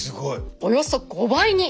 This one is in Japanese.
およそ５倍に。